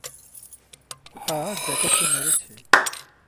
ওটা জ্যাকবকে মেরেছে।